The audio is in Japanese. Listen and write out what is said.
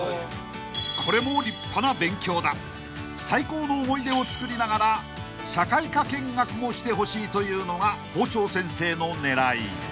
［最高の思い出をつくりながら社会科見学もしてほしいというのが校長先生の狙い］